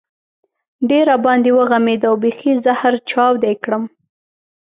ډېر را باندې وغمېد او بېخي زهره چاودی کړم.